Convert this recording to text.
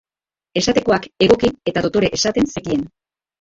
Esatekoak egoki eta dotore esaten zekien.